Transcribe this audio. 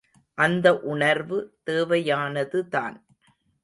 அந்த உணர்வு தேவையானதுதான்.